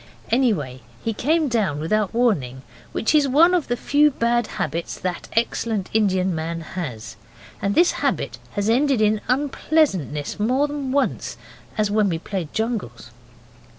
Anyway, he came down, without warning, which is one of the few bad habits that excellent Indian man has, and this habit has ended in unpleasantness more than once, as when we played jungles.